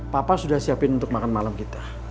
papa sudah siapin untuk makan malam kita